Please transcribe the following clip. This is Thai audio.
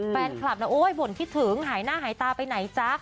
แฟนคลับนะโอ๊ยบ่นคิดถึงหายหน้าหายตาไปไหนจ๊ะ